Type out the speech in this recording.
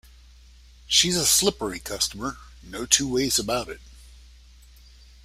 She's a slippery customer, no two ways about it.